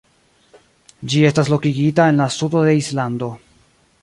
Ĝi estas lokigita en la sudo de Islando.